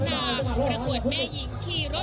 ค่ะตื่นเต้นค่ะ